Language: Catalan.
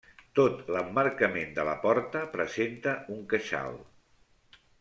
Tot l'emmarcament de la porta presenta un queixal.